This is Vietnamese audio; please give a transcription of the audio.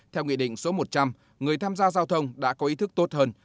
theo nghị định số một trăm linh người tham gia giao thông đã có ý thức tốt hơn